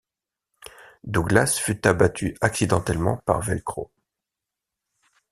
Douglas fut abattu accidentellement par Velcro.